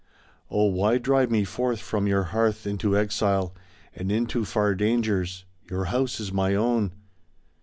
"Oh, why drive me forth from your hearth into exile And into far dangers? Your house is my own.